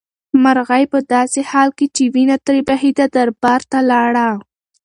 مرغۍ په داسې حال کې چې وینه ترې بهېده دربار ته لاړه.